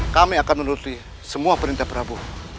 kami akan menuruti semua perintah prabowo